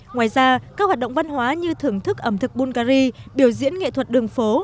ngoài ra các hoạt động văn hóa như thưởng thức ẩm thực bungary biểu diễn nghệ thuật đường phố